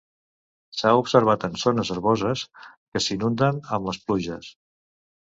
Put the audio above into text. S'ha observat en zones herboses que s'inunden amb les pluges.